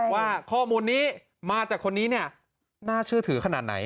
ว่าข้อมูลนี้มาจากคนนี้เนี่ยน่าเชื่อถือขนาดไหน